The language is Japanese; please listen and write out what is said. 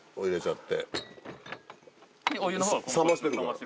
入れちゃって。